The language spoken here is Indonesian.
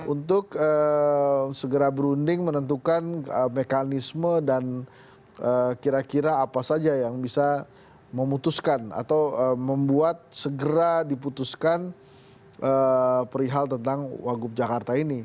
untuk segera berunding menentukan mekanisme dan kira kira apa saja yang bisa memutuskan atau membuat segera diputuskan perihal tentang wagub jakarta ini